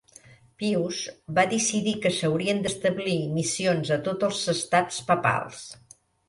Pius va decidir que s'haurien d'establir missions a tot els Estats papals.